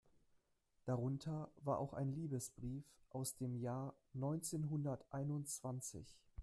Darunter war auch ein Liebesbrief aus dem Jahr neunzehnhunderteinundzwanzig.